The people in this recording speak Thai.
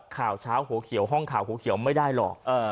ข่าวเช้าหัวเขียวห้องข่าวหัวเขียวไม่ได้หรอก